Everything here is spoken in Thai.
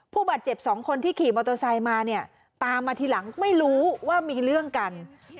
ผู้บาดเจ็บ๒คนที่ขี่มอเตอร์ไซค์มาเนี่ยตามมาทีหลังไม่รู้ว่ามีเรื่องกัน